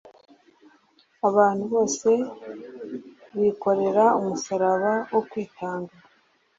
Abantu bose bikorera umusaraba wo kwitanga,